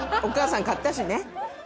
お母さん買ったしね。